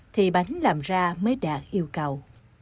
thì bánh làm ra mới đạt yêu cầu